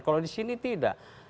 kalau di sini tidak